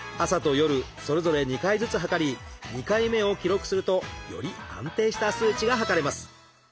朝と夜それぞれ２回ずつ測り２回目を記録するとより安定した数値が測れます。